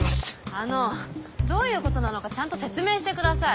あのどういうことなのかちゃんと説明してください。